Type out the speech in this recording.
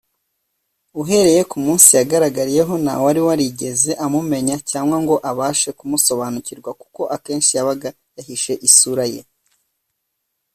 uhereye ku munsi yagarariyeho ntawari warigeze amumenya cyangwa ngo abashe kumusobanukirwa kuko akenshi yabaga yahishe isura ye.